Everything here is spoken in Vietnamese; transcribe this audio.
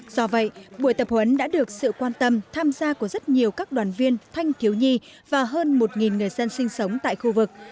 do vậy buổi tập huấn đã được sự quan tâm tham gia của rất nhiều các đoàn viên thanh thiếu nhi và hơn một người dân sinh sống tại khu vực